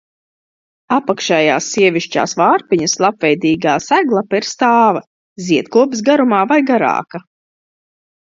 Apakšējās sievišķās vārpiņas lapveidīgā seglapa ir stāva, ziedkopas garumā vai garāka.